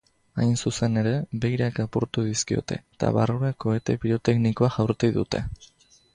Hain zuzen ere, beirak apurtu dizkiote eta barrura kohete piroteknikoa jaurti dute.